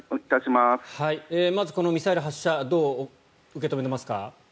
まず、このミサイル発射どう受け止めていますか？